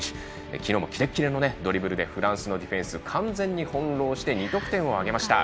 昨日もキレキレの攻撃でフランスのディフェンスを完全に翻弄して２得点挙げました。